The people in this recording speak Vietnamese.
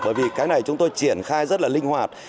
bởi vì cái này chúng tôi triển khai rất là linh hoạt